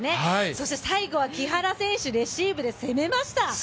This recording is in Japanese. そして最後は木原選手、レシーブで攻めました。